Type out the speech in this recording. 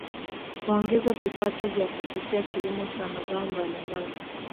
Kuongeza vipato vyao kupitia kilimo cha mazao mbalimbali